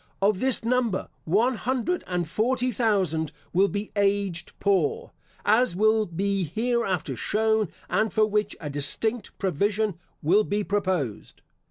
Of this number, one hundred and forty thousand will be aged poor, as will be hereafter shown, and for which a distinct provision will be proposed.